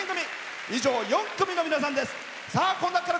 以上４組の皆さんです。